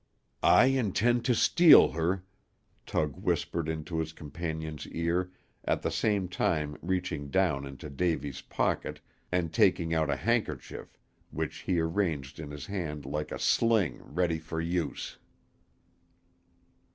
"I intend to steal her," Tug whispered into his companion's ear, at the same time reaching down into Davy's pocket and taking out a handkerchief, which he arranged in his hand like a sling ready for use.